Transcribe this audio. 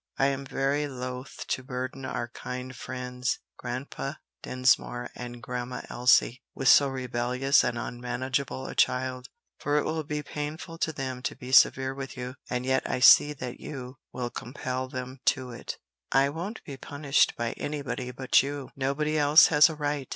I am very loath to burden our kind friends Grandpa Dinsmore and Grandma Elsie with so rebellious and unmanageable a child, for it will be painful to them to be severe with you, and yet I see that you will compel them to it." "I won't be punished by anybody but you! Nobody else has a right!"